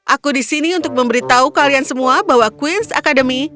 aku disini untuk memberitahu kalian semua bahwa queens academy